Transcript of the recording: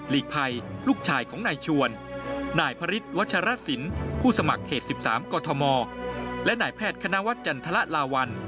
และหน่ายแพทย์คณะวัดจันทรลาวัล